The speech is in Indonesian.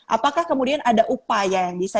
apakah kemudian ada upaya yang bisa